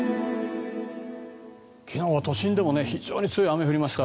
昨日は都心でも非常に強い雨が降りました。